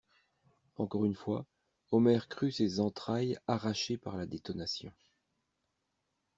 Encore une fois, Omer crut ses entrailles arrachées par la détonation.